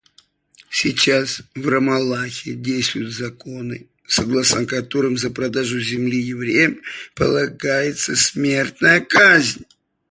Сейчас в Рамаллахе действуют законы, согласно которым за продажу земли евреям полагается смертная казнь.